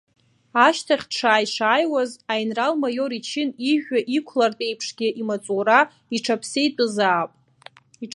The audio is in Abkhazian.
Ашьҭахь дшааи-шааиуаз, аинрал-маиор ичын ижәҩа иқәлартә еиԥшгьы имаҵура иҽаԥсеитәызаап.